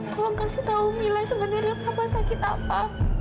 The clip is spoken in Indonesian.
tolong kasih tahu mila sebenarnya apa sakit apa